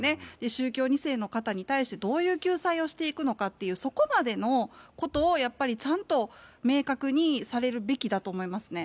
宗教２世の方に対してどういう救済をしていくのかっていう、そこまでのことをやっぱり、ちゃんと明確にされるべきだと思いますね。